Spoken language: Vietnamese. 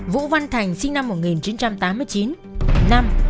vũ văn thành sinh năm một nghìn chín trăm tám mươi chín